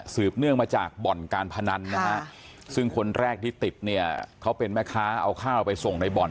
เนื่องมาจากบ่อนการพนันนะฮะซึ่งคนแรกที่ติดเนี่ยเขาเป็นแม่ค้าเอาข้าวไปส่งในบ่อน